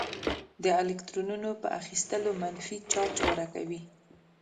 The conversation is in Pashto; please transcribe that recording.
د الکترونونو په اخیستلو منفي چارج غوره کوي.